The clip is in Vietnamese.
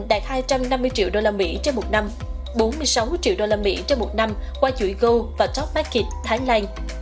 đạt hai trăm năm mươi triệu usd trên một năm bốn mươi sáu triệu usd trên một năm qua chuỗi gold và top market thái lan